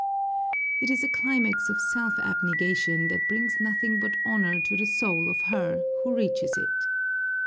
It is a climax of self abnegation that brings nothing but honor to the soul of her who reaches it.